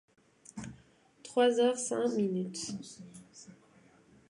Trois heures cinq minutes.